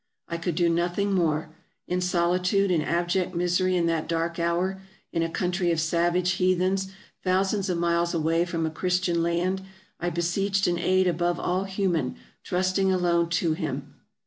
I could do nothing more ; in solitude and abject misery in that dark hour, in a country of savage heathens, thousands of miles away from a Christian land, I beseeched an aid above all human, trusting alone to Him.